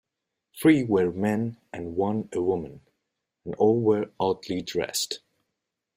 Three were men and one a woman, and all were oddly dressed.